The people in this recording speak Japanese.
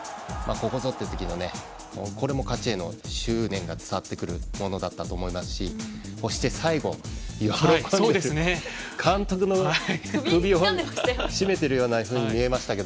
ここぞという時のこれも勝ちへの執念が伝わってくるものだったと思いますし、そして最後監督の首を絞めているように見えましたが。